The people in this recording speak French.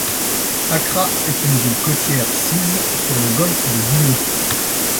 Accra est une ville côtière sise sur le Golfe de Guinée.